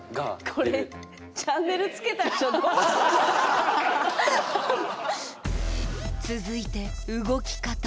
これ続いて動き方。